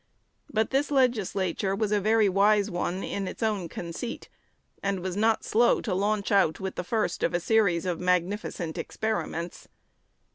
But this Legislature was a very wise one in its own conceit, and was not slow to launch out with the first of a series of magnificent experiments.